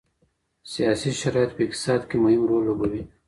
سياسي شرايط په اقتصاد کي مهم رول لوبوي.